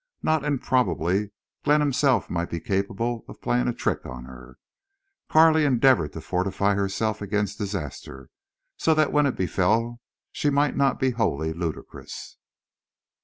Not improbably Glenn himself might be capable of playing a trick on her. Carley endeavored to fortify herself against disaster, so that when it befell she might not be wholly ludicrous.